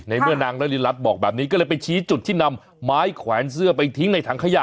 เมื่อนางนารินรัฐบอกแบบนี้ก็เลยไปชี้จุดที่นำไม้แขวนเสื้อไปทิ้งในถังขยะ